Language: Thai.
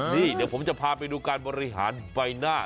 นี่เดี๋ยวผมจะพาไปดูการบริหารใบหน้า